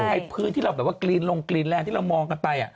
ไอ้พื้นที่เรากลีนลงกลีนแหล่งที่เรามองกันไป